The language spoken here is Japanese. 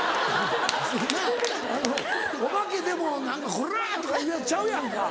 なぁあのお化けでも何か「コラ！」とか言うヤツちゃうやんか。